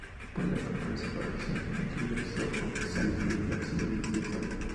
Puede prepararse por reacción entre el ácido oxálico y el hidróxido de sodio.